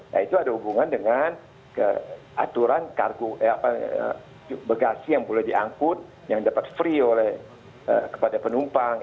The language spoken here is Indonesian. nah itu ada hubungan dengan aturan bagasi yang boleh diangkut yang dapat free kepada penumpang